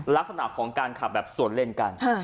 ลักษณะของการขับแบบสวนเล่นกัน